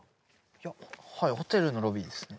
いやはいホテルのロビーですね